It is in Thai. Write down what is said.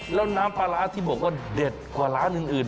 แล้วน้ำปลาร้าที่บอกว่าเด็ดกว่าร้านอื่น